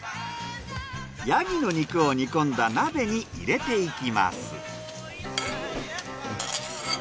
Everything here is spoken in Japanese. ヤギの肉を煮込んだ鍋に入れていきます。